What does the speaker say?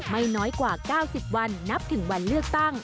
ไม่น้อยกว่า๙๐วันนับถึงวันเลือกตั้ง